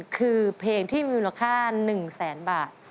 คือเพลงที่มีมูลค่า๑แสนบาท